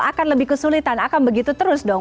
akan lebih kesulitan akan begitu terus dong